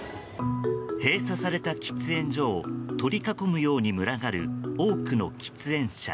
閉鎖された喫煙所を取り囲むように群がる多くの喫煙者。